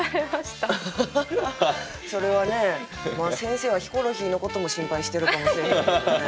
それはね先生はヒコロヒーのことも心配してるかもしれないですけどね。